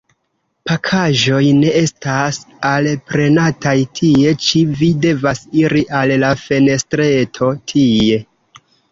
Pakaĵoj ne estas alprenataj tie ĉi; vi devas iri al la fenestreto, tie.